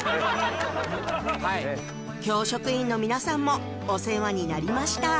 教職員の皆さんもお世話になりました